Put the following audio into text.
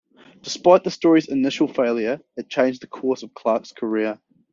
Despite the story's initial failure, it changed the course of Clarke's career.